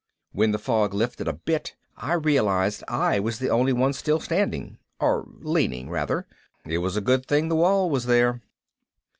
When the fog lifted a bit I realized I was the only one still standing. Or leaning rather. It was a good thing the wall was there.